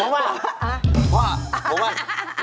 เห็นไหมผมว่าว่าผมว่าน่าจะ